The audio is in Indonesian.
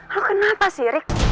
lo kenapa sih rik